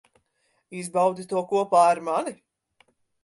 Izbaudi to kopā ar mani.